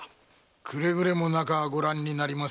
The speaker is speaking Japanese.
くれぐれも中はご覧になりませぬように。